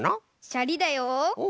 シャリだよ。